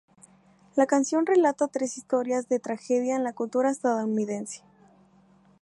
La canción relata tres historias de tragedia en la cultura estadounidense.